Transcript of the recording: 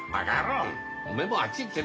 おめえもうあっち行って寝てろ。